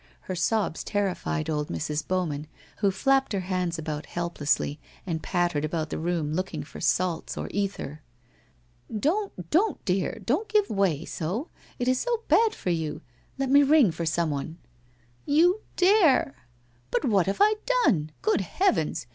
Her sobs terrified old Mrs. Bowman, who flapped her hands about helplessly and pattered about the room looking for salts or ether. ' Don't, don't, dear, don't give way so, it is so bad for vou. Let me ring for someone.' ' You dare !'' But what have I done ? Gpod heavens